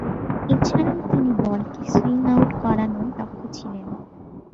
এছাড়াও তিনি বলকে সুইং আউট করানোয় দক্ষ ছিলেন।